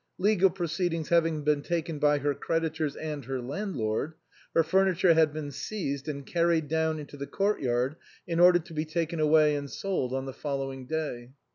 Legal proceedings having been taken by her creditors and her landlord, her furniture had been seized and carried down into the court yard, in order to be taken away and sold on the following day.